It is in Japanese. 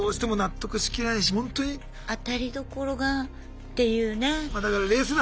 当たりどころがっていうね。